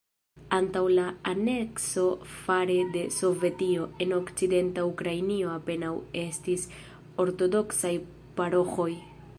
Antaŭ la anekso fare de Sovetio, en okcidenta Ukrainio apenaŭ estis ortodoksaj paroĥoj.